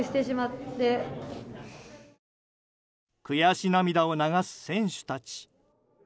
悔し涙を流す選手たち。